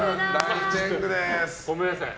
ごめんなさい。